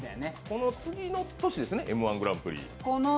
この次の年ですね、Ｍ−１グランプリ。